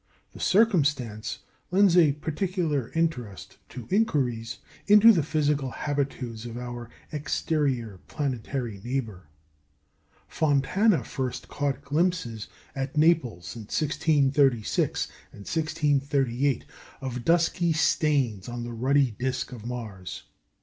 The circumstance lends a particular interest to inquiries into the physical habitudes of our exterior planetary neighbour. Fontana first caught glimpses, at Naples in 1636 and 1638, of dusky stains on the ruddy disc of Mars.